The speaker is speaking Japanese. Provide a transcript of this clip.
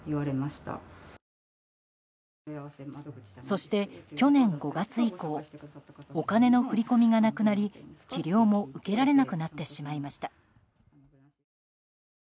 そして去年５月以降お金の振り込みがなくなり治療も受けられなくなってしまいました。